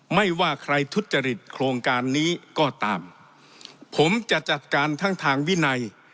ไม่ว่าใครทุจริตโครงการนี้ก็ตามผมจะจัดการทั้งทางวินัย